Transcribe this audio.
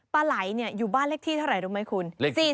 ปลาไหลอยู่บ้านเลขที่เท่าไหร่รู้ไหมคุณ